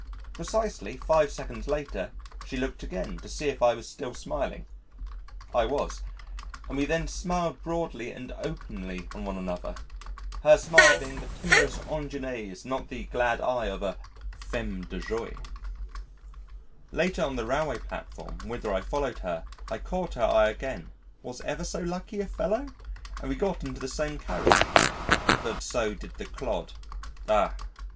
Precisely five seconds later, she looked again to see if I was still smiling I was and we then smiled broadly and openly on one another her smile being the timorous ingénue's not the glad eye of a femme de joie. Later, on the railway platform whither I followed her, I caught her eye again (was ever so lucky a fellow?), and we got into the same carriage. But so did the clod ah!